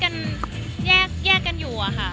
มันคือการแยกกันอยู่อ่ะค่ะ